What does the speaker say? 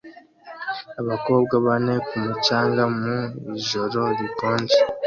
Abakobwa bane ku mucanga mu ijoro rikonje